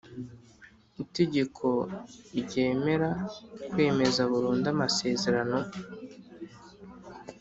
Itegeko ryemera kwemeza burundu Amasezerano .